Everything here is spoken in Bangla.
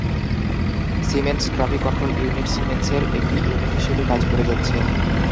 সিমেন্স ট্রাফিক কন্ট্রোল ইউনিট সিমেন্সের একটি ইউনিট হিসেবে কাজ করে যাচ্ছে।